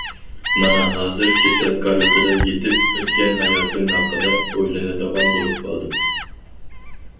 مانا ھازىر كېسەل كارىۋىتىدا يېتىپ ئۆتكەن ھاياتىم ھەققىدە ئويلىنىدىغان بولۇپ قالدىم.